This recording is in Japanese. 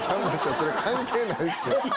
それ関係ないんすよ。